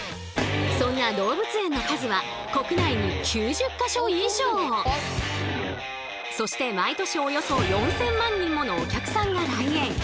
そんな動物園の数はそして毎年およそ４，０００万人ものお客さんが来園。